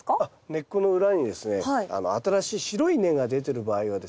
根っこの裏にですね新しい白い根が出てる場合はですね